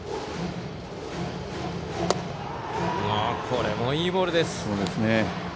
これもいいボールです。